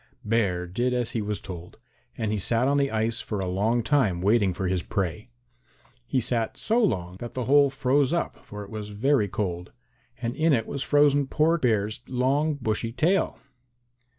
Bear did as he was told, and he sat on the ice for a long time waiting for his prey. He sat so long that the hole froze up, for it was very cold, and in it was frozen poor Bear's long bushy tail.